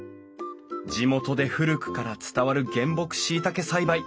地元で古くから伝わる原木しいたけ栽培。